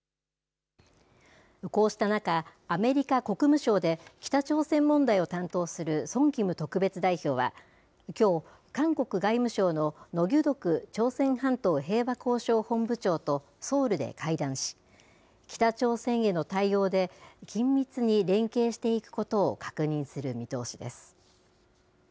こうした中、アメリカ国務省で北朝鮮問題を担当するソン・キム特別代表はきょう、韓国外務省のノ・ギュドク朝鮮半島平和交渉本部長とソウルで会談し、北朝鮮への対応で、緊密に連携していくことを確認する見通しです。